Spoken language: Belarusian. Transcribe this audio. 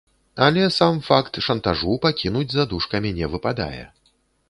Але сам факт шантажу пакінуць за дужкамі не выпадае.